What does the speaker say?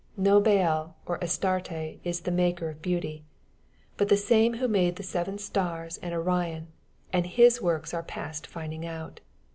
No Baal or Astarte is the maker of beauty, but the same who made the seven stars and Orion, and His works are past finding out.